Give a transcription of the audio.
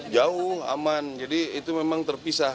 jauh aman jadi itu memang terpisah